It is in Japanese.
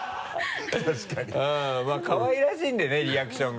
確かに かわいらしいんでねリアクションが。